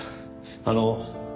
あの。